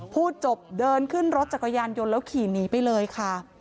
พูดจบเดินขึ้นรถจักรยานยนต์แล้วขี่หนีไปเลยค่ะ